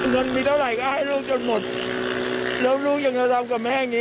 เงินมีเท่าไหร่ก็ให้ลูกจนหมดแล้วลูกยังจะทำกับแม่อย่างนี้